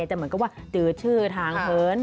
จะเหมือนกับว่าจืดชื่ดห่างเหิน